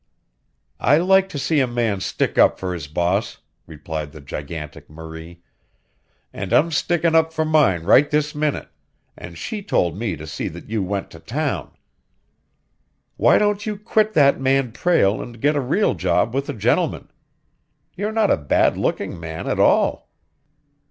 "I like to see a man stick up for his boss," replied the gigantic Marie. "And I'm stickin' up for mine right this minute, and she told me to see that you went to town. Why don't you quit that man Prale and get a real job with a gentleman? You're not a bad looking man at all."